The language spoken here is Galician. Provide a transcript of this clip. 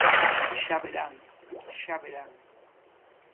Xa verán, xa verán.